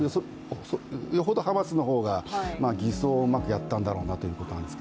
よほどハマスの方がぎ装をうまくやったんだろうなということです。